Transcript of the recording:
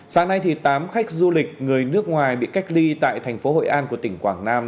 sáng nay tám khách du lịch người nước ngoài bị cách ly tại thành phố hội an của tỉnh quảng nam